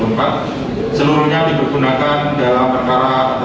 enam mengubahkan terjelas membayar biaya perkara sebesar rp lima